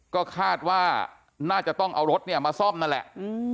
ก็คาดว่าน่าจะต้องเอารถเนี่ยมาซ่อมนั่นแหละ